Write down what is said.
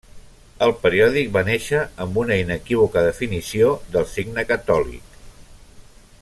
El periòdic va néixer amb una inequívoca definició del signe catòlic.